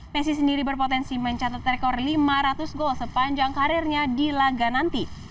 messi sendiri berpotensi mencatat rekor lima ratus gol sepanjang karirnya di laga nanti